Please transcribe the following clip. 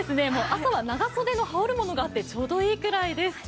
朝は長袖の羽織るものがあってちょうどいいくらいです。